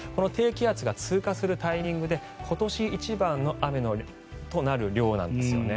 低気圧が通過するタイミングで今年一番の雨となる量なんです。